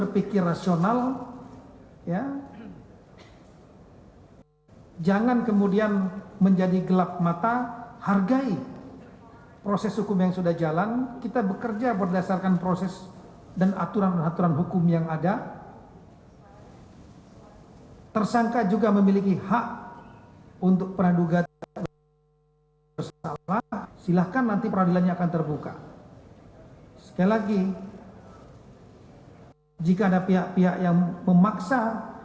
jika ada pihak pihak yang memaksa